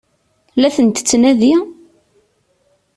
La ten-tettnadi?